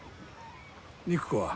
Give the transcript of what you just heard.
肉子は？